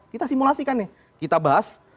kita simulasikan nih kita bahas